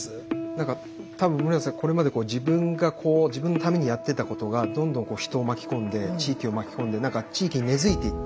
なんか多分室屋さんこれまで自分のためにやってたことがどんどん人を巻き込んで地域を巻き込んでなんか地域に根づいていって。